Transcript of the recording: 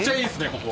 ここ。